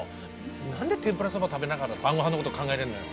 何で天ぷらそば食べながら晩ご飯のこと考えれんのよ。